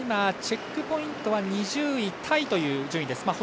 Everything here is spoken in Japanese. チェックポイントは２０位タイという順位です。